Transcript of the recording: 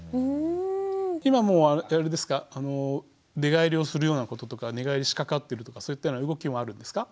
今もうあれですか寝返りをするようなこととか寝返りしかかってるとかそういったような動きもあるんですか？